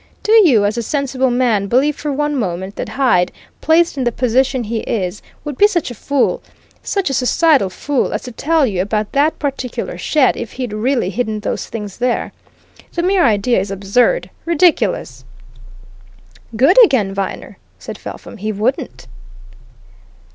Do you, as a sensible man, believe for one moment that Hyde, placed in the position he is, would be such a fool, such a suicidal fool, as to tell you about that particular shed if he'd really hidden those things there? The mere idea is absurd ridiculous!" "Good again, Viner!" said Felpham. "He wouldn't!"